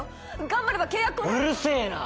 頑張れば契約うるせえな！